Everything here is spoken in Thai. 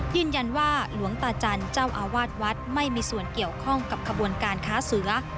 หลวงตาจันทร์เจ้าอาวาสวัดไม่มีส่วนเกี่ยวข้องกับขบวนการค้าเสือ